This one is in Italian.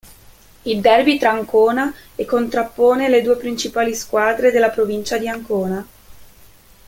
Il derby tra Ancona e contrappone le due principali squadre della provincia di Ancona.